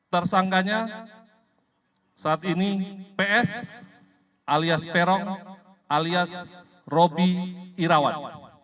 tersangkanya saat ini ps alias peron alias robi irawan